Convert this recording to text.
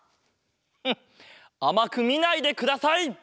フッあまくみないでください！